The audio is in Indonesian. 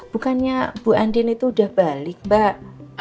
bukannya bu andin itu udah balik mbak